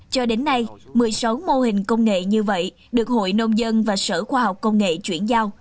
cho đến nay một mươi sáu mô hình công nghệ như vậy được hội nông dân và sở khoa học công nghệ chuyển giao